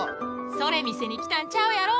それ見せに来たんちゃうやろ。